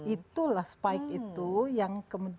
itulah spike itu